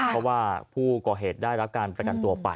เพราะว่าผู้ก่อเหตุได้รับการประกันตัวไป